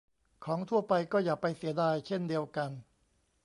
ของทั่วไปก็อย่าไปเสียดายเช่นเดียวกัน